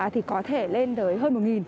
thì có thể lên tới hơn một